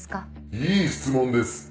いい質問です！